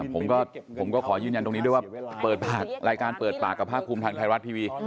ผมก็ขอยืนยันตรงนี้ด้วยว่ารายการเปิดปากกับภาคคลุมทางไทยรัฐพิวี